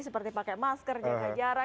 seperti pakai masker jaga jarak